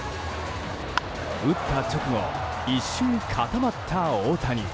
打った直後、一瞬固まった大谷。